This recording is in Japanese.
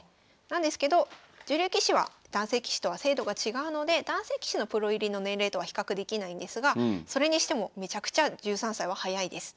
なんですけど女流棋士は男性棋士とは制度が違うので男性棋士のプロ入りの年齢とは比較できないんですがそれにしてもめちゃくちゃ１３歳は早いです。